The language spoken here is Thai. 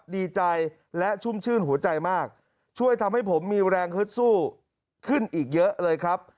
ดีใจและชุ่มชื่นหัวใจมากช่วยทำให้ผมมีแรงฮึดสู้ขึ้นอีกเยอะเลยครับ